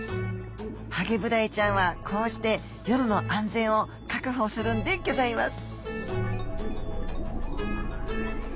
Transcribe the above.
ハゲブダイちゃんはこうして夜の安全を確保するんでぎょざいます。